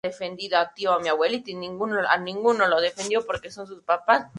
Fue alumno de Alberto Ginastera.